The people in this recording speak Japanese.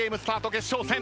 決勝戦。